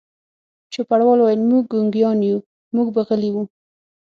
چوپړوال وویل: موږ ګونګیان یو، موږ به غلي وو.